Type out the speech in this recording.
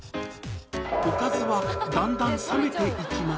おかずはだんだん冷めていき